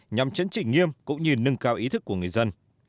nhằm chấn chỉnh nghiêm cũng như nâng cao ý thức của người dân